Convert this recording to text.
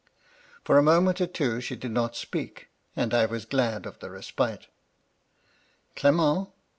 For a moment or two she did not speak, and I was glad of the respite. "* Clement